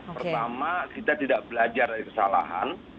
pertama kita tidak belajar dari kesalahan